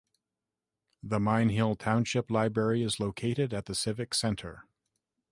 The Mine Hill Township Library is located at the Civic Center.